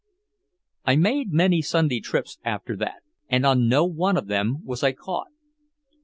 I made many Sunday trips after that, and on no one of them was I caught.